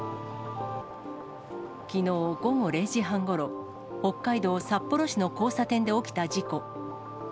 きのう午後０時半ごろ、北海道札幌市の交差点で起きた事故。